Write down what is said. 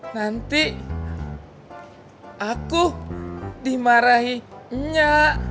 nanti aku dimarahi nya